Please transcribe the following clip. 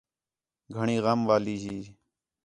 گھݨی غم والی ہی